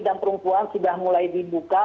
dan perempuan sudah mulai dibuka